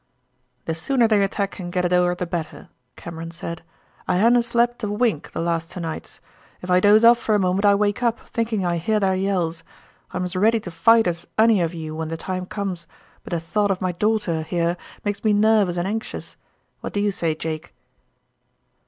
"The sooner they attack and get it o'er the better," Cameron said. "I hae na slept a wink the last twa nights. If I doze off for a moment I wake up, thinking I hear their yells. I am as ready to fight as ony o' you when the time comes, but the thought o' my daughter, here, makes me nervous and anxious. What do you say, Jake?"